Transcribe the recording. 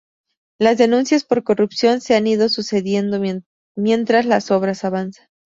Las denuncias por corrupción se han ido sucediendo mientras las obras avanzaban.